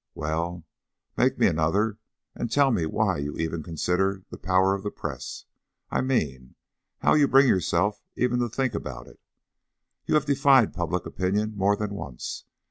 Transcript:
"Well, make me another, and tell me why you even consider the power of the press. I mean, how you bring yourself even to think about it. You have defied public opinion more than once.